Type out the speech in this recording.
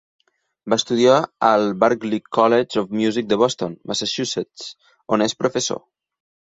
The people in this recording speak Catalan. Va estudiar al Berklee College of Music de Boston, Massachusetts, on és professor.